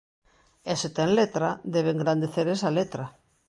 E, se ten letra, debe engrandecer esa letra.